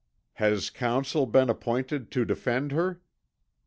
"Has counsel been appointed to defend her?"